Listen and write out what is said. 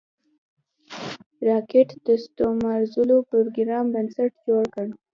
راکټ د ستورمزلو پروګرام بنسټ جوړ کړ